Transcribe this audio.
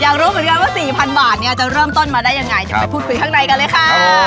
รู้เหมือนกันว่า๔๐๐๐บาทเนี่ยจะเริ่มต้นมาได้ยังไงเดี๋ยวไปพูดคุยข้างในกันเลยค่ะ